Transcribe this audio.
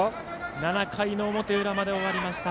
７回の表裏まで終わりました。